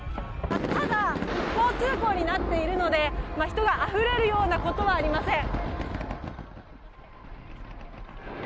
ただ、一方通行になっているので、人があふれるようなことはありません。